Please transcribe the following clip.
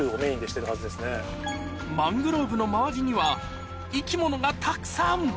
マングローブの周りには生き物がたくさん！